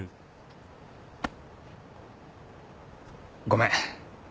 ごめん。